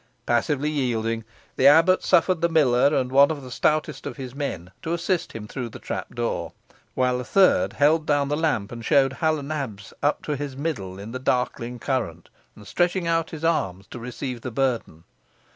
Passively yielding, the abbot suffered the miller and one of the stoutest of his men to assist him through the trapdoor, while a third held down the lamp, and showed Hal o' Nabs, up to his middle in the darkling current, and stretching out his arms to receive the burden.